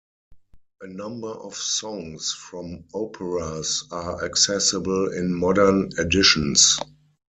A number of songs from operas are accessible in modern editions.